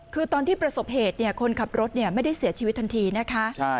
คือตอนที่ประสบเหตุคนขับรถไม่ได้เสียชีวิตทันทีนะคะ